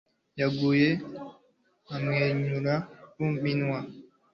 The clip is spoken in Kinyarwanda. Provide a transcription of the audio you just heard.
yaguye amwenyura ku minwa